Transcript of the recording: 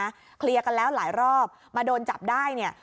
เคลียร์กันแล้วหลายรอบมาโดนจับได้เนี่ย